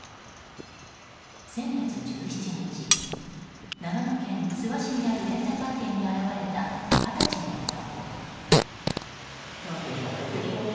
先月１７日、長野県諏訪市にあるレンタカー店に現れた二十歳の男。